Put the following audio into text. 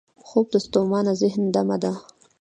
خوب د ستومانه ذهن دمه ده